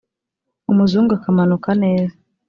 Umuzungu akamanuka neza.